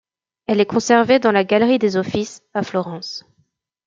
Elle est conservée dans la galerie des Offices, à Florence.